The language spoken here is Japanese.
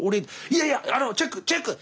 「いやいやあのチェックチェック！